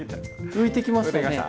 浮いてきました？